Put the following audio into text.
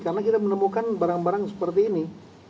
karena kita menemukan barang barang seperti ini